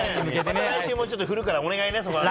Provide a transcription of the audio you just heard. もう来週も振るからお願いね。